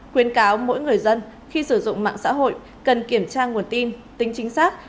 khuyến cáo mỗi người dân khi sử dụng mạng xã hội cần kiểm tra nguồn tin tính chính xác